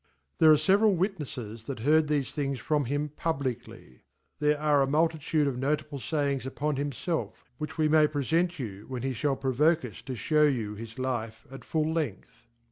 There arr fever al Wit neffes tfcx?;heard thtfe things from T:im publkkly. TJjere are a multitude r cf notable Sayinvs upon him* felfr which we may prefent you when he fhatt frovoke us tofhow jou his Life at full length.